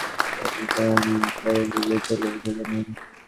কড়াইতে তেল গরম করে তাতে আলুগুলো সোনালি করে ভেজে তেল ঝরিয়ে নিন।